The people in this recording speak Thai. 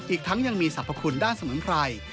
อีกทั้งยังมีสรรพคุณด้านสมุนไพร